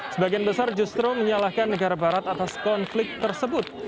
sebagian besar justru menyalahkan negara barat atas konflik tersebut